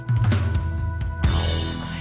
すごい。